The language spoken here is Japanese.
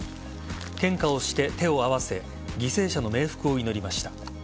献花をして、手を合わせ犠牲者の冥福を祈りました。